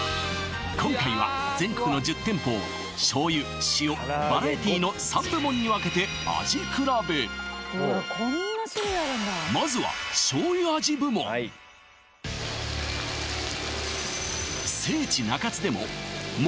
今回は全国の１０店舗を醤油塩バラエティの３部門に分けてまずは醤油味部門聖地